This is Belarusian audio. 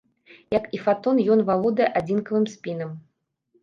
Як і фатон, ён валодае адзінкавым спінам.